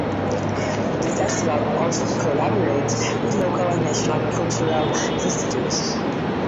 The festival also collaborates with local and national cultural institutes.